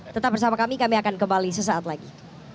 tetap bersama kami kami akan kembali sesaat lagi